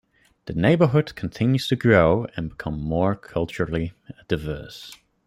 The neighborhood continues to grow and become more culturally diverse.